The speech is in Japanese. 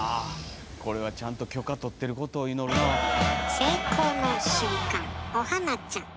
これはちゃんと許可とってることを祈るなあ。